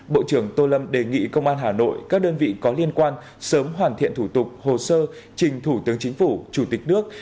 bộ trưởng tô lâm đề nghị công an hà nội các đơn vị có liên quan sớm hoàn thiện thủ tục hồ sơ trình thủ tướng chính phủ chủ tịch nước